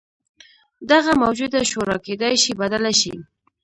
دغه موجوده شورا کېدای شي بدله شي.